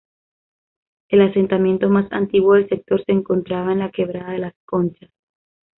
El asentamiento más antiguo del sector se encontraba en la quebrada de las Conchas.